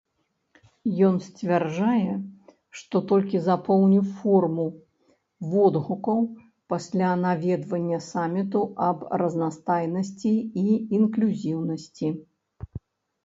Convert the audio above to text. Ён сцвярджае, што толькі запоўніў форму водгукаў пасля наведвання саміту аб разнастайнасці і інклюзіўнасці.